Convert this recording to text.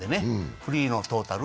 フリーのトータル。